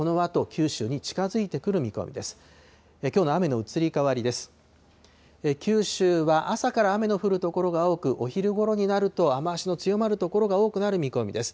九州は朝から雨の降る所が多く、お昼ごろになると、雨足の強まる所が多くなる見込みです。